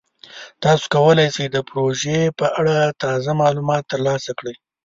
تاسو کولی شئ د پروژې په اړه تازه معلومات ترلاسه کړئ.